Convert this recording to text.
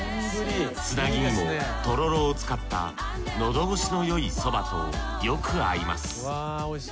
つなぎにもとろろを使ったのど越しのよい蕎麦とよく合います。